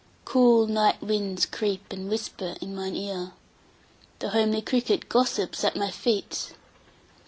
9Cool night winds creep, and whisper in mine ear.10The homely cricket gossips at my feet.